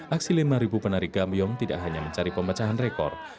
aksi lima penari gambiong tidak hanya mencari pemecahan rekor